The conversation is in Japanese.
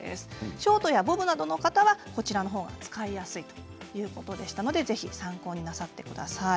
ショートやボブの方などはこちらの方が使いやすいということでしたのでぜひ参考になさってください。